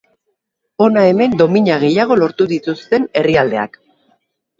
Hona hemen domina gehiago lortu dituzten herrialdeak.